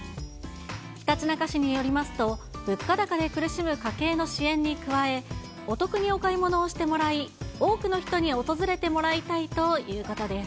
ひたちなか市によりますと、物価高で苦しむ家計の支援に加え、お得にお買い物をしてもらい、多くの人に訪れてもらいたいということです。